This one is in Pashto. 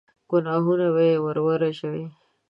ګناهونه به يې ور ورژوي.